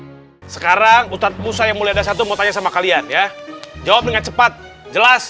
hai sekarang ustadz musa yang mulai ada satu mau tanya sama kalian ya jawab dengan cepat jelas